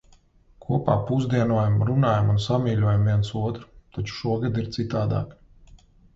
Kopā pusdienojam, runājam un samīļojam viens otru. Taču šogad ir citādāk.